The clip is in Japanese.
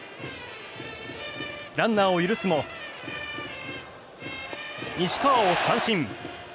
ランナーを許すも西川を三振。